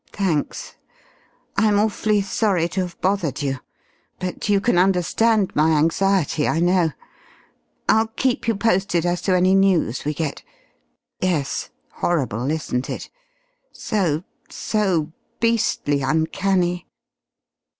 Thanks. I'm awfully sorry to have bothered you, but you can understand my anxiety I know. I'll keep you posted as to any news we get. Yes horrible, isn't it? So so beastly uncanny...."